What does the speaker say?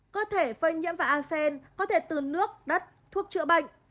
cơ thể phơi nhiễm vào a sen có thể từ nước đất thuốc chữa bệnh